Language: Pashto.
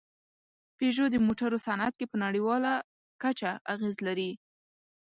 پيژو د موټرو صنعت کې په نړۍواله کچه اغېز لري.